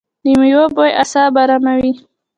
د میوو بوی اعصاب اراموي.